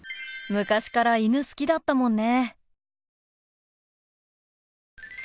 昔から犬好きだったもんね。